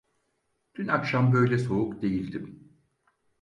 Dün akşam böyle soğuk değildim…